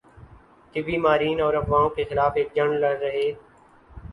طبی ماہرین ان افواہوں کے خلاف ایک جنگ لڑ رہے